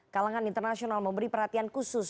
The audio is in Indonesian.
kalangan internasional memberi perhatian khusus